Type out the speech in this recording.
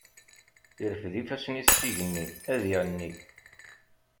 Irfed ifassen-is s igenni, ad iεenni.